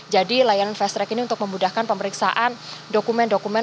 jadi layanan fast track ini untuk memudahkan pemeriksaan dokumen dokumen